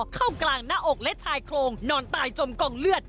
กลางหน้าอกและชายโครงนอนตายจมกองเลือด